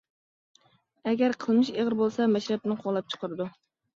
ئەگەر قىلمىشى ئېغىر بولسا مەشرەپتىن قوغلاپ چىقىرىدۇ.